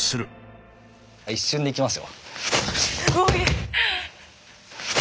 一瞬でいきますよ。